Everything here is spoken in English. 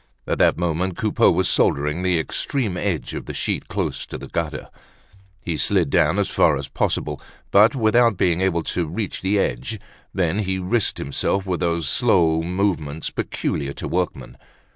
At that moment Coupeau was soldering the extreme edge of the sheet close to the gutter; he slid down as far as possible, but without being able to reach the edge. Then, he risked himself with those slow movements peculiar to workmen.